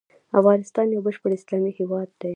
افغانستان يو بشپړ اسلامي هيواد دی.